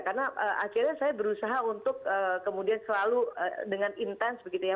karena akhirnya saya berusaha untuk kemudian selalu dengan intens begitu ya